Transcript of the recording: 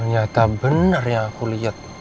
ternyata benar ya aku lihat